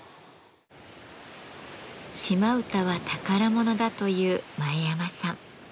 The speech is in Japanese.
島唄は宝物だという前山さん。